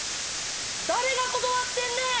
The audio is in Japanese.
⁉誰が断ってんねん！